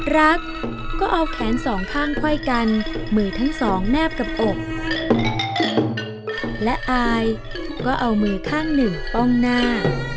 รักก็เอาแขนสองข้างไขว้กันมือทั้งสองแนบกับอกและอายก็เอามือข้างหนึ่งป้องหน้า